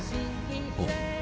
あっ。